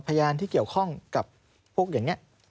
พยานที่เกี่ยวข้องกับพวกอย่างนี้